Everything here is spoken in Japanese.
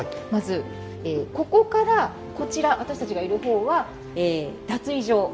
まずここからこちら私たちがいる方は脱衣所。